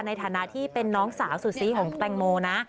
ในฐานะที่เป็นน้องสาวสุดซีของแตงโมนะ